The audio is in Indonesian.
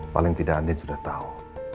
paling tidak dia sudah tahu